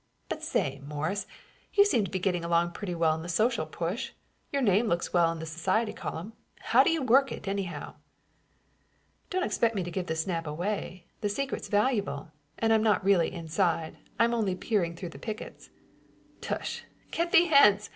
But say, Morris, you seem to be getting along pretty well in the social push. Your name looks well in the society column. How do you work it, anyhow?" "Don't expect me to give the snap away. The secret's valuable. And I'm not really inside; I am only peering through the pickets!" "Tush! Get thee hence!